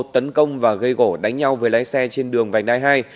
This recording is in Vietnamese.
tấn công và gây gỗ đánh nhau với lái xe trên đường vành đai hai